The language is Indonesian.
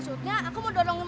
selamat o leash